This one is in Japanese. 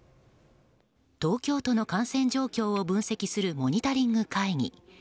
東京都の感染状況を分析するモニタリング会議。